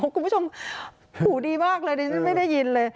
คุณผู้ชมหูดีมากเลยดิฉันไม่ได้ยินเลย